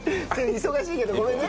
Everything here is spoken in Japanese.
忙しいけどごめんね。